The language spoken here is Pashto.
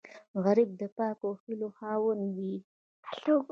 غریب د پاکو هیلو خاوند وي